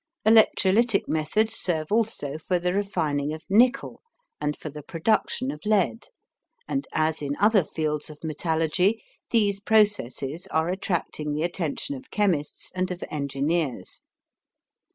Electrolytic methods serve also for the refining of nickel and for the production of lead, and as in other fields of metallurgy, these processes are attracting the attention of chemists and of engineers.